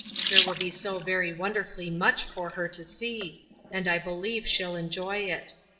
There will be so very wonderfully much for her to see, and I believe she'll enjoy it.